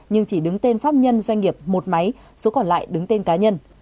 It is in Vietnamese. nhưng chỉ đứng tên pháp nhân doanh nghiệp một máy số còn lại đứng tên cá nhân